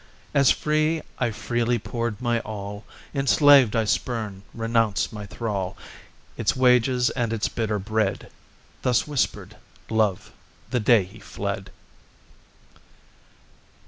"As free I freely poured my all, Enslaved I spurn, renounce my thrall, Its wages and its bitter bread." Thus whispered Love the day he fled!